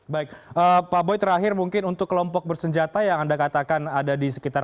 baik pak boy terakhir mungkin untuk kelompok bersenjata yang anda katakan ada di sekitar